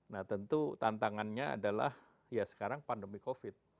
nah tentu tantangannya adalah ya sekarang pandemi covid